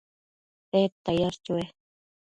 tedta yash chue?